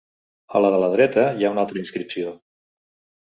A la de la dreta hi ha una altra inscripció.